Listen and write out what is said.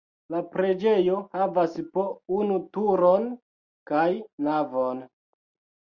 La preĝejo havas po unu turon kaj navon.